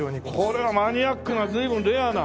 これはマニアックな随分レアな。